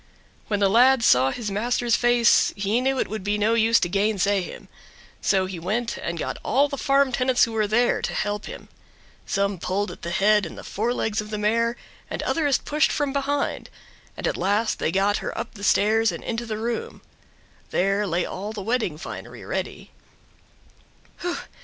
When the lad saw his master's face he knew it would be no use to gainsay him. So he went and got all the farm tenants who were there to help him. Some pulled at the head and the forelegs of the mare and others pushed from behind, and at last they got her up the stairs and into the room. There lay all the wedding finery ready.